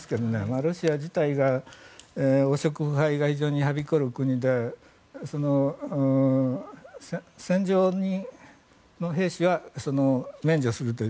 ロシア自体が汚職、腐敗がはびこる国で戦場の兵士は免除するという。